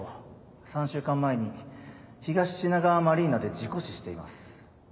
３週間前に東品川マリーナで事故死しています。